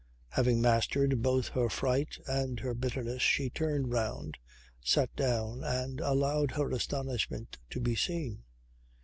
Having mastered both her fright and her bitterness, she turned round, sat down and allowed her astonishment to be seen.